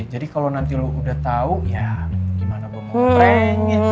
jadi kalo nanti lo udah tau ya gimana gue mau ngeprank ya